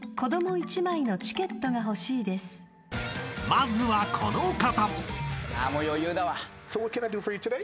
［まずはこの方］